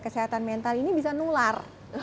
kesehatan mental ini bisa nular